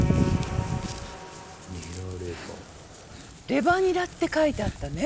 「レバニラ」って書いてあったね。